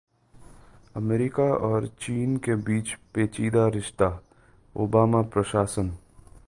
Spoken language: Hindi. अमेरिका और चीन के बीच पेचीदा रिश्ता: ओबामा प्रशासन